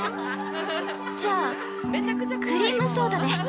◆じゃあ、クリームソーダで！